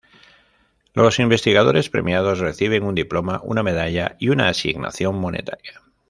Los investigadores premiados reciben un diploma, una medalla y una asignación monetaria.